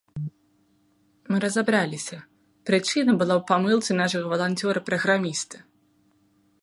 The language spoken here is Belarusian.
Мы разабраліся: прычына была ў памылцы нашага валанцёра-праграміста.